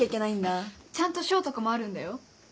ちゃんと賞とかもあるんだよ。